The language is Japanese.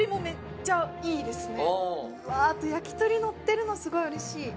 うわあと焼き鳥のってるのすごいうれしい。